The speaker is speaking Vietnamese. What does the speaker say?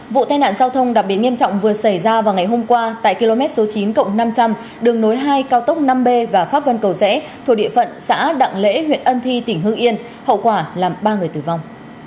vụ tai nạn giao thông đặc biệt nghiêm trọng vừa xảy ra vào ngày hôm qua tại km số chín năm trăm linh đường nối hai cao tốc năm b và pháp vân cầu rẽ thuộc địa phận xã đặng lễ huyện ân thi tỉnh hương yên hậu quả làm ba người tử vong